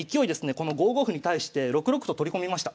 この５五歩に対して６六歩と取り込みました。